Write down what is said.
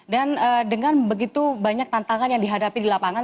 dan dengan begitu banyak tantangan yang dihadapi di lapangan